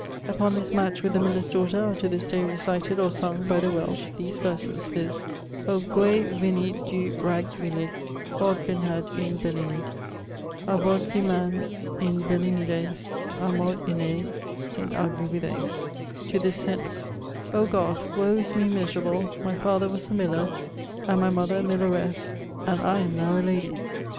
Upon this match with the miller's daughter are to this day recited, or sung, by the Welsh, these verses: viz.: Ô gway vinney (dhyw) râg wilidh Vôd vinhad yn velinidh A' vôd vy mam yn velinidhes A' môd inney yn arglwydhes. To this sence[FA]: O God! Woe is me miserable, my father was a miller, and my mother a milleresse, and I am now a ladie.